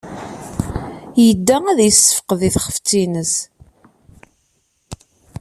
Yedda ad yessefqed tifxet-nnes.